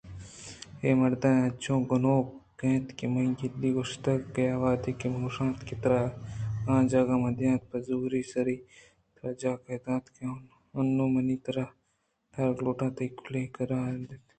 اے مرد انچو گنوک اِنت من کدی گوٛشتگ آ وہدی کہ من گوٛشت کہ تر اجاگہ مہ دنت پہ زورسری تراجاگہئے دات انوں من کہ ترا دارگ لوٹاں آ تئی گلّینگ ءِ رند ا اِنت